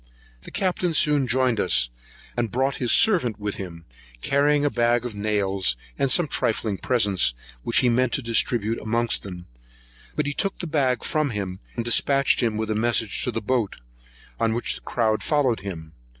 The Captain soon joined us, and brought his servant with him, carrying a bag of nails, and some trifling presents, which he meant to distribute amongst them; but he took the bag from him, and dispatched him with a message to the boat, on which the crowd followed him.